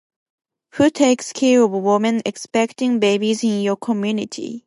Who takes care of a woman excpecting babies in your community